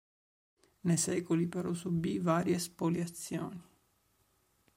Nei secoli però subì varie spoliazioni.